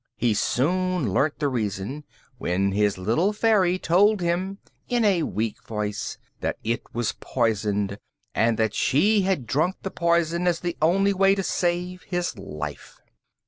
He soon learnt the reason, when his little fairy told him, in a weak voice, that it was poisoned, and that she had drunk the poison as the only way to save his life.